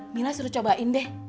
mila suruh cobain be